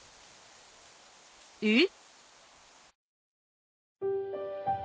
えっ？